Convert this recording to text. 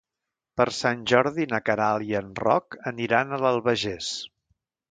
Per Sant Jordi na Queralt i en Roc aniran a l'Albagés.